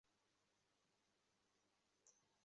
যার ফলে এটা চওড়া হয়ে পড়ছে।